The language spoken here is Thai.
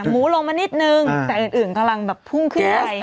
หมูลงมานิดนึงแต่อื่นกำลังแบบพุ่งขึ้นไป